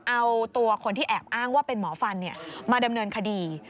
เอาตัวคนที่แอบอ้างว่าเป็นหมอฟันมาดำเนินคดี